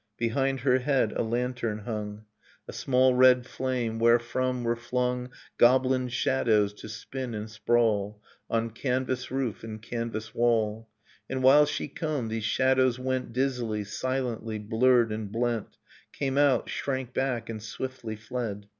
Behind her head a lantern hung, A small red flame, wherefrom were flung Goblin shadows to spin and sprawl On canvas roof and canvas wall ; And while she combed these shadows went Innocence Dizzily, silently, blurred and blent, Came out, shrank back, and swiftly fled.